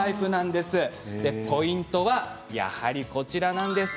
でポイントはやはりこちらなんです。